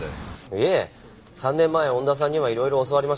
いえ３年前恩田さんには色々教わりました。